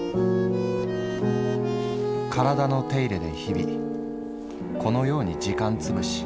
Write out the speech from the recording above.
「体の手入れで日々このように時間つぶし」。